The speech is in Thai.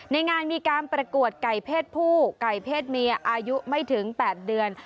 ในงานมีการประกวดไก่เพศผู้ไก่เพศเมียอายุไม่ถึง๘เดือน